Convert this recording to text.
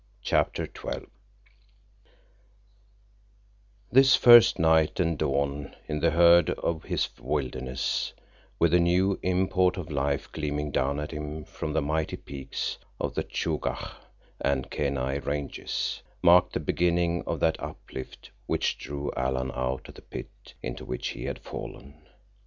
CHAPTER XII This first night and dawn in the heard of his wilderness, with the new import of life gleaming down at him from the mighty peaks of the Chugach and Kenai ranges, marked the beginning of that uplift which drew Alan out of the pit into which he had fallen.